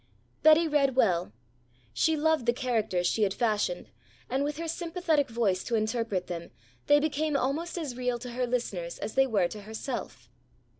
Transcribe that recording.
Betty read well. She loved the characters she had fashioned, and with her sympathetic voice to interpret them, they became almost as real to her listeners as they were to herself.